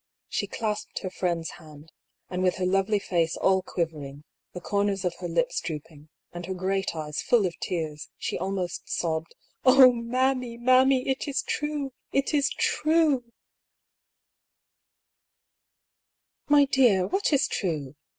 She clasped her friend's hand, and with her lovely face all quivering, the corners of her lips drooping, and her great eyes full of tears, she almost sobbed :" Oh, mammy, mammy ! It is true !— it is true /"" My dear, what is true